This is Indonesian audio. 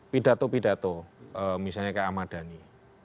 pidato pidato misalnya ke ahmad dhani